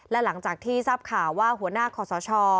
และหลังจากที่ทราบข่าวว่าหัวหน้าขอสช